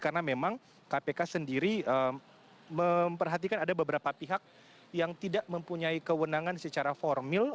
karena memang kpk sendiri memperhatikan ada beberapa pihak yang tidak mempunyai kewenangan secara formil